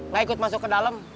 nggak ikut masuk ke dalam